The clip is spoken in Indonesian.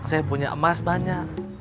saya punya emas banyak